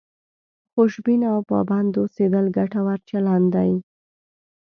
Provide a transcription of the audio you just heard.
خوشبین او پابند اوسېدل ګټور چلند دی.